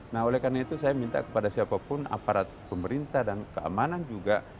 nah oleh karena itu saya minta kepada siapapun aparat pemerintah dan keamanan juga